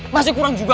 masih kurang juga